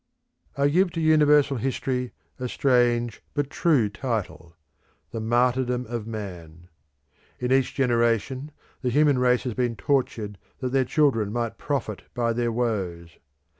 I give to universal history a strange but true title The Martyrdom of Man. In each generation the human race has been tortured that their children might profit by their woes.